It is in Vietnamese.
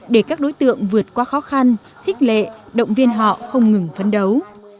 để các đối tượng vượt qua khó khăn khích lệ động viên họ không ngừng phấn đấu